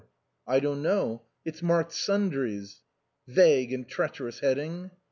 I don't know ; it's marked sundries." " Vague and treacherous hec^ding !